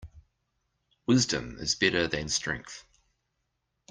Wisdom is better than strength.